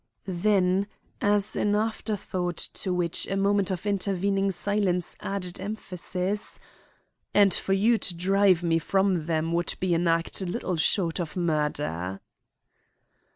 Then, as an afterthought to which a moment of intervening silence added emphasis, 'And for you to drive me from them would be an act little short of murder.